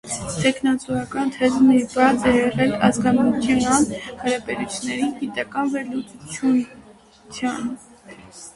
Թեկնածուական թեզը նվիրված է եղել ազգամիջյան հարաբերությունների գիտական վերլուծությանը։